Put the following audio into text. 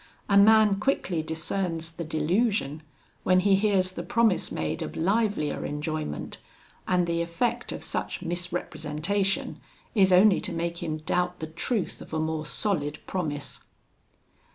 A man quickly discerns the delusion, when he hears the promise made of livelier enjoyment, and the effect of such misrepresentation is only to make him doubt the truth of a more solid promise.